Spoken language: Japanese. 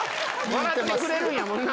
笑ってくれるんやもんな！